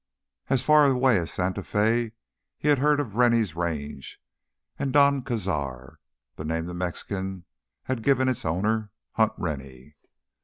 As far away as Santa Fe he had heard of Rennie's Range and Don Cazar (the name the Mexicans had given its owner, Hunt Rennie).